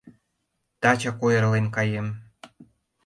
Тачак ойырлен каем.